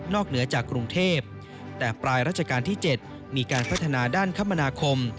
เหนือจากกรุงเทพแต่ปลายรัชกาลที่๗มีการพัฒนาด้านคมนาคม